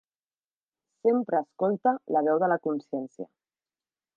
Sempre escolta la veu de la consciència.